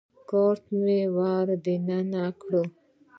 کارت مې ور دننه کړ.